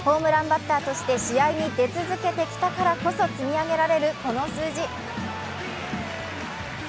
ホームランバッターとして試合に出続けてきたからこそ積み上げられるこの数字。